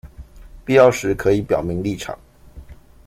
必要時可以表明立場